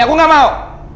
aku gak mau